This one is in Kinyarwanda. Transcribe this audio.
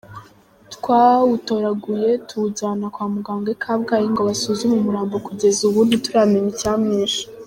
Twawutoraguye tuwujyana kwa muganga i Kabgayi ngo basuzume umurambo kugeza ubu ntituramenya icyamwishe.